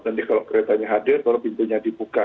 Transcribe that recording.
nanti kalau keretanya hadir baru pintunya dibuka